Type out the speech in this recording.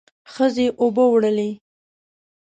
ښځې اوبه وړلې.